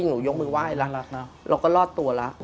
หนูยกมือไห้รักนะเราก็รอดตัวแล้ว